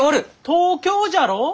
東京じゃろ？